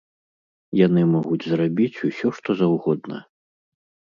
Яны могуць зрабіць усё што заўгодна.